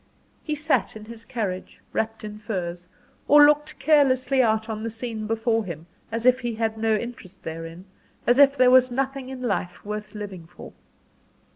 He sat in his carriage, wrapped in furs, or looked carelessly out on the scene before him, as if he had no interest therein as if there was nothing in life worth living for.